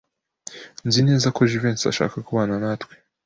Nzi neza ko Jivency ashaka kubana natwe.